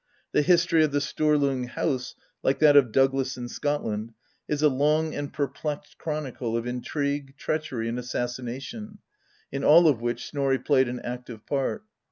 The history of the Sturlung house, like that of Douglas in Scotland, is a long and perplexed chronicle of intrigue, treachery, and assassi nation, in all of which Snorri played an active part.